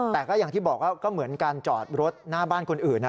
แต่ก็อย่างที่บอกว่าก็เหมือนการจอดรถหน้าบ้านคนอื่น